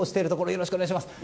よろしくお願いします。